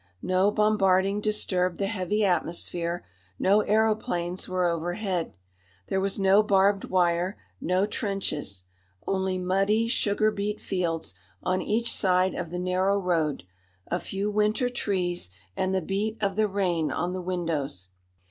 No bombarding disturbed the heavy atmosphere; no aëroplanes were overhead. There was no barbed wire, no trenches. Only muddy sugarbeet fields on each side of the narrow road, a few winter trees, and the beat of the rain on the windows.